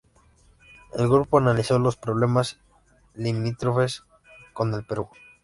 El grupo analizó los problemas limítrofes con el Perú.